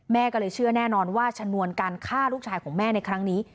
แม่ก็เลยเชื่อแน่นอนว่าชนวนการฆ่าลูกชายของแม่ในครั้งนี้